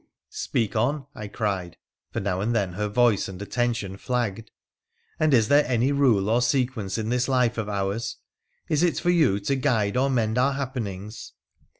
' Speak on !' I cried, for now and then her voice and atten tion flagged. ' And is there any rule or sequence in this life of ours — is it for you to guide or mend our happenings